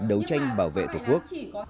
đấu tranh bảo vệ tổ quốc